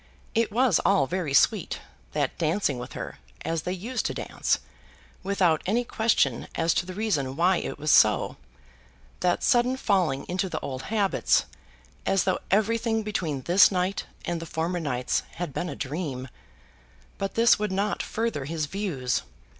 It was all very sweet, that dancing with her, as they used to dance, without any question as to the reason why it was so; that sudden falling into the old habits, as though everything between this night and the former nights had been a dream; but this would not further his views.